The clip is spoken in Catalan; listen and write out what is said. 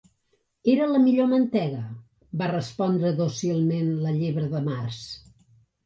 "Era la millor mantega", va respondre dòcilment la Llebre de Març